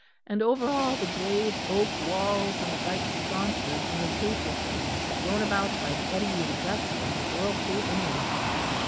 And over all the grave oak walls and the bright sconces and the taper flames blown about by the eddying gusts from the whirlpool beneath.